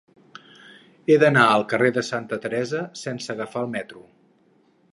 He d'anar al carrer de Santa Teresa sense agafar el metro.